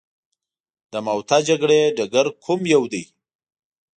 د موته جګړې ډګر کوم یو دی.